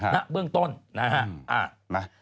นะเบื้องต้น